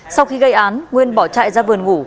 sau khi gây án nguyên bỏ chạy ra vườn ngủ